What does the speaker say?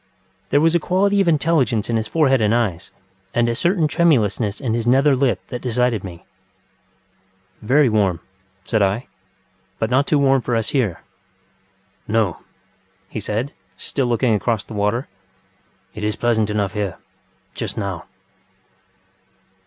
There was a quality of intelligence in his forehead and eyes, and a certain tremulousness in his nether lip that decided me. ŌĆ£Very warm, ŌĆØ said I; ŌĆ£but not too warm for us here. ŌĆØ ŌĆ£No, ŌĆØ he said, still looking across the water, ŌĆ£it is pleasant enough here .... just now.